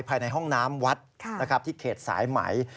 ภายในห้องน้ำวัดที่เขตสายไหม